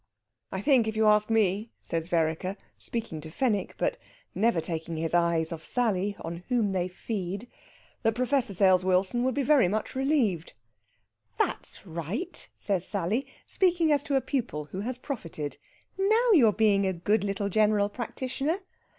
"I think, if you ask me," says Vereker, speaking to Fenwick, but never taking his eyes off Sally, on whom they feed, "that Professor Sales Wilson would be very much relieved." "That's right!" says Sally, speaking as to a pupil who has profited. "Now you're being a good little General Practitioner."